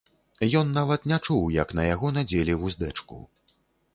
Ён нават не чуў, як на яго надзелі вуздэчку.